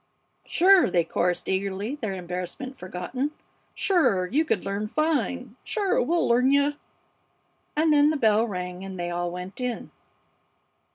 "Sure!" they chorused, eagerly, their embarrassment forgotten. "Sure, you could learn fine! Sure, we'll learn you!" And then the bell rang and they all went in.